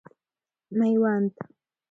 میوند